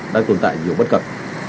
đang tồn tại nhiều bất cập